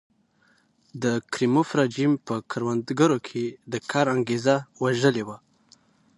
د کریموف رژیم په کروندګرو کې د کار انګېزه وژلې وه.